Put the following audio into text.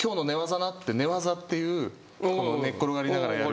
寝技っていうこの寝っ転がりながらやる。